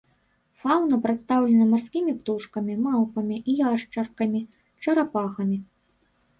Фаўна прадстаўлена марскімі птушкамі, малпамі, яшчаркамі, чарапахамі.